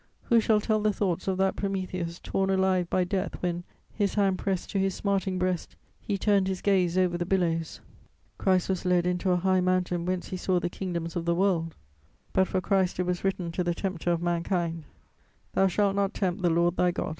Who shall tell the thoughts of that Prometheus torn alive by death, when, his hand pressed to his smarting breast, he turned his gaze over the billows! Christ was led into a high mountain whence he saw the kingdoms of the world; but for Christ it was written to the tempter of mankind: "Thou shalt not tempt the Lord thy God."